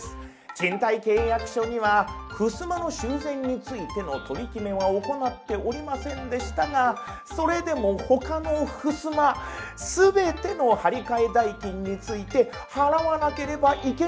賃貸契約書にはふすまの修繕についての取り決めは行っておりませんでしたがそれでも他のふすま全ての張り替え代金について払わなければいけないんでしょうか？